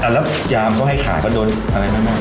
แล้วยามเขาให้ขายก็โดนอะไรมาก